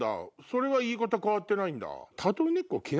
それは言い方変わってないんだ。